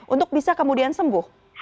untuk bisa kemudian sembuh